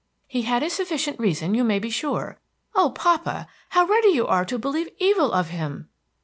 "He had a sufficient reason, you may be sure. Oh, papa, how ready you are to believe evil of him!"